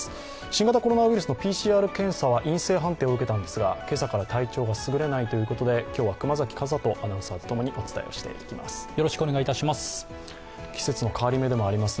新型コロナウイルスのＰＣＲ検査は陰性判定を受けたんですが今朝から体調が優れないということで今日は熊崎風斗アナウンサーとお伝えしていきます。